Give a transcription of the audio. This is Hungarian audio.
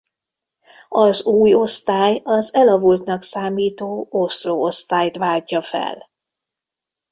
Az új osztály az elavultnak számító Oslo-osztályt váltja fel.